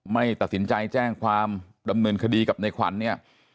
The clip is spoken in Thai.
ไม่ตัดสินใจแจ้งความดำเนินคดีกับในขวัญเนี่ย